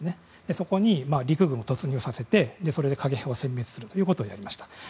そこに陸軍を突入させてそれで過激派をせん滅するということをやりました。